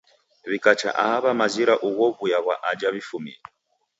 W'ikacha aha w'amazira ugho w'uya ghwa aja w'ifumie.